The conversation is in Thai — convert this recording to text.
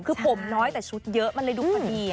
คือผมน้อยแต่ชุดเยอะมันเลยดูพอดี